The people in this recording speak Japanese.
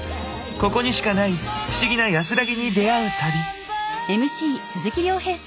ここにしかない不思議な安らぎに出会う旅。